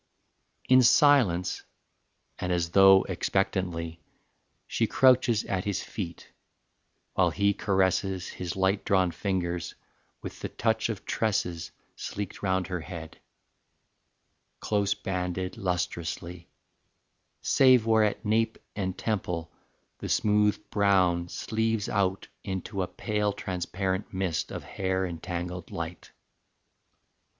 XII. In silence and as though expectantly She crouches at his feet, while he caresses His light drawn fingers with the touch of tresses Sleeked round her head, close banded lustrously, Save where at nape and temple the smooth brown Sleaves out into a pale transparent mist Of hair and tangled light.